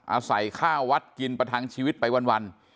อาศัยข้าววัดกินประทังชีวิตไปวัน